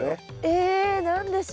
え何でしょう？